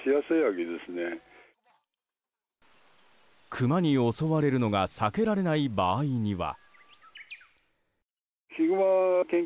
クマに襲われるのが避けられない場合には。